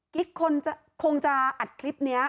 กิ๊กคงจะอัดคลิปนี้